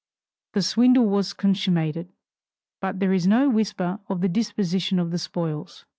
The swindle was consummated, but there is no whisper of the disposition of the spoils.